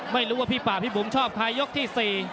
ไม่รู้ว่าพี่ป่าพี่บุ๋มชอบใครยกที่๔